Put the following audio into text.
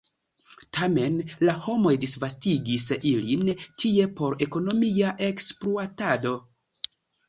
Tamen la homoj disvastigis ilin tie por ekonomia ekspluatado.